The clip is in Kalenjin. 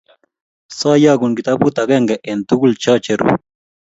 soyokun kitabut agenge eng tugul cho cheruu